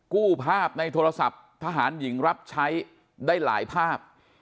กู้ภาพในโทรศัพท์ทหารหญิงรับใช้ได้หลายภาพ